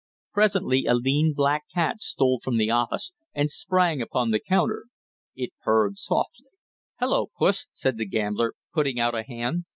Presently a lean black cat stole from the office and sprang upon the counter; it purred softly. "Hello, puss!" said the gambler, putting out a hand.